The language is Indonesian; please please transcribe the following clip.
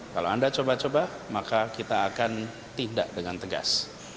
kalau anda coba coba maka kita akan tindak dengan tegas